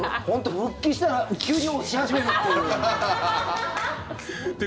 復帰したら急に押し始めたっていう。